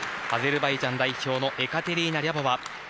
アゼルバイジャン代表のエカテリーナ・リャボワ。